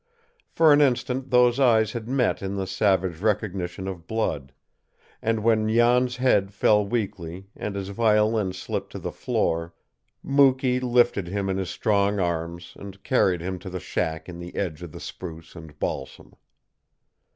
For an instant those eyes had met in the savage recognition of blood; and when Jan's head fell weakly, and his violin slipped to the floor, Mukee lifted him in his strong arms and carried him to the shack in the edge of the spruce and balsam.